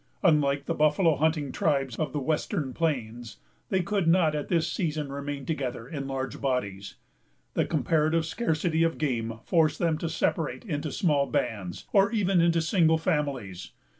Unlike the buffalo hunting tribes of the western plains, they could not at this season remain together in large bodies. The comparative scarcity of game forced them to separate into small bands, or even into single families.